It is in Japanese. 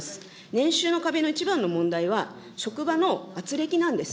年収の壁の一番の問題は職場のあつれきなんです。